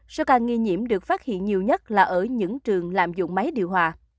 số ca nghi nhiễm được phát hiện nhiều nhất là ở những trường làm dụng máy điều hòa